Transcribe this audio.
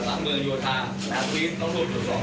นี่มั้ยมันกลางเข้าไปเลยแหงเข้าไปกันนี้ครับของเขาจะยิง